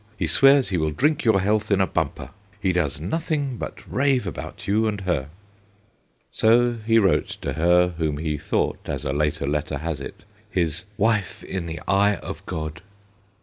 He swears he will drink your health in a bumper ... he does nothing but rave about you and her.' So ALAS! 187 he wrote to her whom he thought, as a later letter has it, his 'wife in the eye of God.'